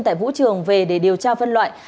tại vũ trường về để điều tra vân loại